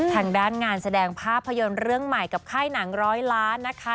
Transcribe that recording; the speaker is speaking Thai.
ทางด้านงานแสดงภาพยนตร์เรื่องใหม่กับค่ายหนังร้อยล้านนะคะ